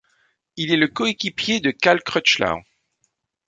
Il est le co-équipier de Cal Crutchlow.